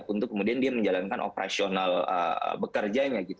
untuk kemudian dia menjalankan operasional bekerjanya